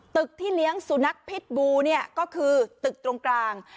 ที่เลี้ยงสุนัขพิษบูเนี่ยก็คือตึกตรงกลาง